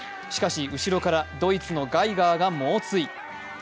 しかし後ろからドイツのガイガーが猛追。